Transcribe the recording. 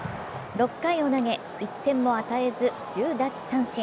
６回を投げ、１点も与えず１０奪三振。